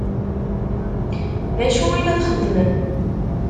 D acu i la txeddmem?